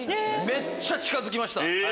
めっちゃ近づきました。